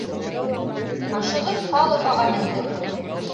Ашығып палубаға мендек.